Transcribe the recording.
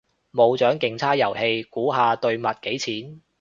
冇獎競猜遊戲，估下對襪幾錢？